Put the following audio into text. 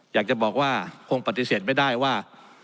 อยากจะบอกว่าคงปฏิเสธไม่ได้ว่า